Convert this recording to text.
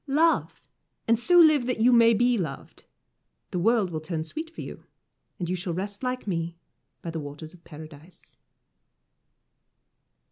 Love, and so live that you may be loved the world will turn sweet for you, and you shall rest like me by the Waters of Paradise.